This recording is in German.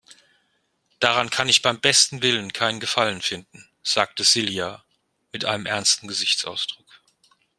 Daran kann ich beim besten Willen keinen Gefallen finden, sagte Silja mit einem ernsten Gesichtsausdruck.